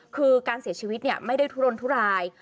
คือการเสียชีวิตไม่ได้ทุรนทุราย